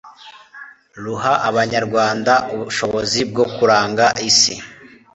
ruha Abanyarwanda ubushobozi bwo kuranga isi,